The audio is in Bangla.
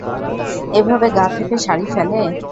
এভাবে গা থেকে শাড়ি ফেলে?